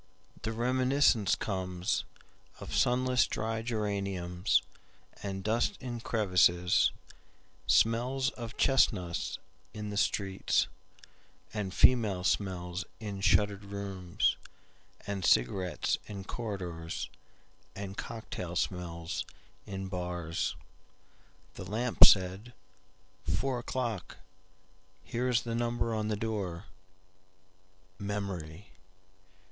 The reminiscence comesOf sunless dry geraniumsAnd dust in crevices, Smells of chestnuts in the streets, And female smells in shuttered rooms, And cigarettes in corridorsAnd cocktail smells in bars."The lamp said,"Four o'clock, Here is the number on the door. Memory!